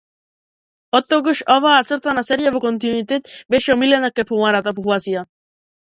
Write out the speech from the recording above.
Оттогаш оваа цртана серија во континуитет беше омилена кај помладата популација.